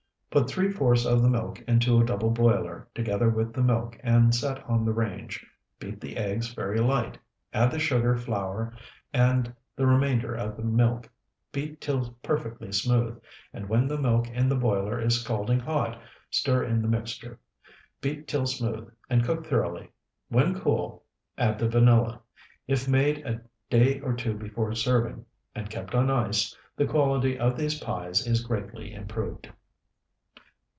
Put three fourths of the milk into a double boiler, together with the milk, and set on the range. Beat the eggs very light; add the sugar, flour, and the remainder of the milk. Beat till perfectly smooth, and when the milk in the boiler is scalding hot, stir in the mixture. Beat till smooth, and cook thoroughly; when cool, add the vanilla. If made a day or two before serving, and kept on ice, the quality of these pies is greatly improved.